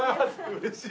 うれしい。